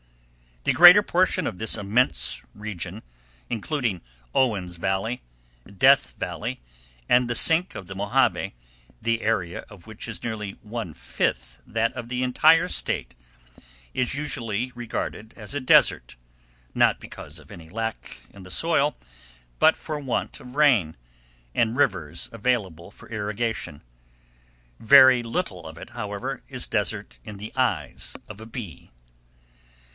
The greater portion of this immense region, including Owen's Valley, Death Valley, and the Sink of the Mohave, the area of which is nearly one fifth that of the entire State, is usually regarded as a desert, not because of any lack in the soil, but for want of rain, and rivers available for irrigation. Very little of it, however, is desert in the eyes of a bee.